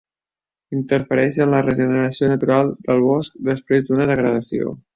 Interfereix en la regeneració natural del bosc després d'una degradació.